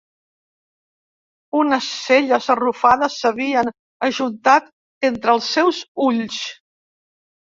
Unes celles arrufades s'havien ajuntat entre els seus ulls.